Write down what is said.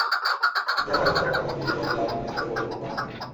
তৃতীয় ওভারে ছক্কা হাঁকাতে গিয়ে বলের লাইনই মিস করে বোল্ড মোহাম্মদ মিঠুন।